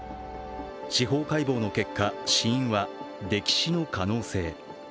司法解剖の結果、死因は溺死の可能性。